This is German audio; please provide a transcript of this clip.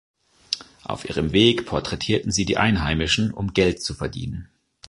Auf ihrem Weg porträtierten sie die Einheimischen, um Geld zu verdienen.